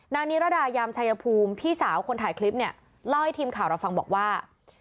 นิรดายามชายภูมิพี่สาวคนถ่ายคลิปเนี่ยเล่าให้ทีมข่าวเราฟังบอกว่า